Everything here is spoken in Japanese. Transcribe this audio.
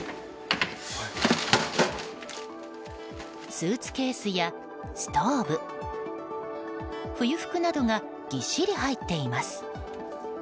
スーツケースやストーブ冬服などがぎっしり入っています。